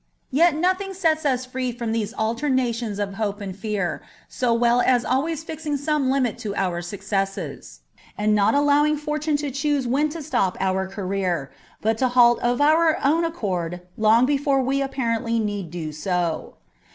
Yet nothing sets us free from these alternations of hope and fear so well as always fixing some limit to our successes, and not allowing Fortune to choose when to stop our career, but to halt of our own accord long before we apparently need do so.